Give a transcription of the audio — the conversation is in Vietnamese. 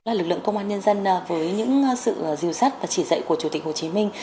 lực lượng công an nhân dân với những sự diều sát và chỉ dạy của chủ tịch hồ chí minh